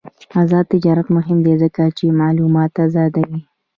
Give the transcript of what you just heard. آزاد تجارت مهم دی ځکه چې معلومات آزادوي.